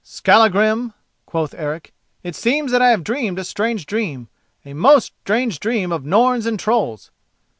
"Skallagrim," quoth Eric, "it seems that I have dreamed a strange dream—a most strange dream of Norns and trolls!"